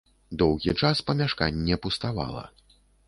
Доўгі час памяшканне пуставала.